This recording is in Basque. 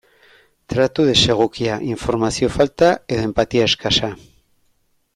Tratu desegokia, informazio falta edo enpatia eskasa.